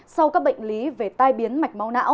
sau các bệnh lý về tai biến mạch máu não